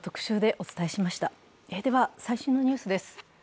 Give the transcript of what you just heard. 最新のニュースです。